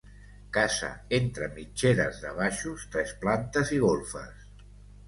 Casa entre mitgeres de baixos, tres plantes i golfes.